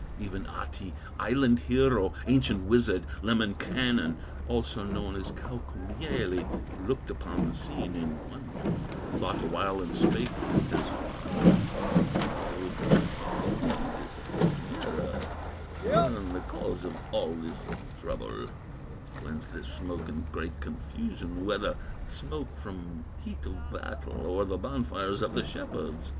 Even Ahti, island hero, Ancient wizard, Lemminkainen, Also known as Kaukomieli, Looked upon the scene in wonder, Thought awhile and spake as follows: "I would like to see this nearer, Learn the cause of all this trouble, Whence this smoke and great confusion, Whether smoke from heat of battle, Or the bonfires of the shepherds."